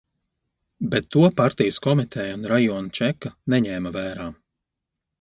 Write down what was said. Bet to partijas komiteja un rajona čeka neņēma vērā.